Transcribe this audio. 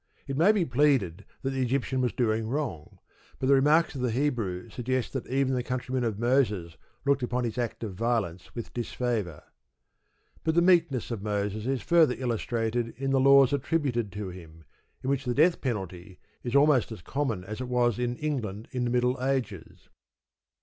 It may be pleaded that the Egyptian was doing wrong; but the remarks of the Hebrew suggest that even the countrymen of Moses looked upon his act of violence with disfavour. But the meekness of Moses is further illustrated in the laws attributed to him, in which the death penalty is almost as common as it was in England in the Middle Ages.